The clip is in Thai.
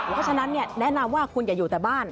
เพราะฉะนั้นแนะนำว่าคุณอย่าอยู่แต่บ้าน